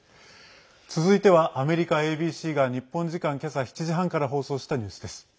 続いては、アメリカＡＢＣが日本時間、今朝７時半から放送したニュースです。